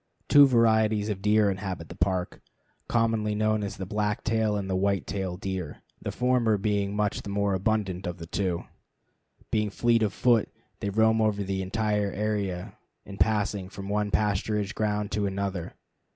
Two varieties of deer inhabit the Park, commonly known as the black tail and white tail deer, the former being much the more abundant of the two. Being fleet of foot, they roam over the entire area in passing from one pasturage ground to another.